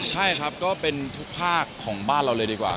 ใช่ครับก็เป็นทุกภาคของบ้านเราเลยดีกว่า